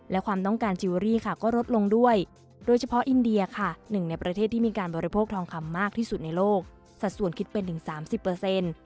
และความต้องการจิลเวอรี่ค่ะก็ลดลงด้วยโดยเฉพาะอินเดียค่ะหนึ่งในประเทศที่มีการบริโภคทองคำมากที่สุดในโลกสัดส่วนคิดเป็นถึงสามสิบเปอร์เซ็นต์